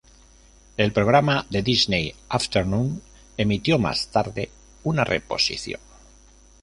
El programa The Disney Afternoon emitió más tarde una reposición.